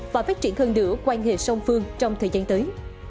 và phát triển hơn nữa quan hệ song phương trong thời gian tới